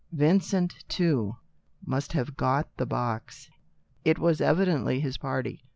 Vincent, too, must have got the box. It was evidently his party.